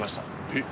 えっ？